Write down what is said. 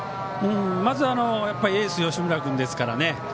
まずエース吉村君ですからね。